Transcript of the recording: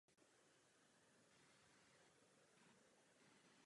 Palác je ve vlastnictví státu a sídlí v něm různá oddělení veřejných financí.